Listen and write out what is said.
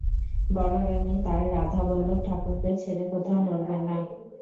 বড়োরানী তাঁর রাধাবল্লভ ঠাকুরকে ছেড়ে কোথাও নড়বেন না।